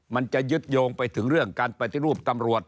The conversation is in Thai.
มันจะยึดโยงไปถึงเรื่องการปฏิรูปตำรวจ